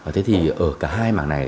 thế thì ở cả hai mảng này